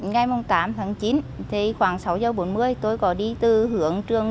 ngày tám tháng chín khoảng sáu giờ bốn mươi tôi có đi từ hưởng trường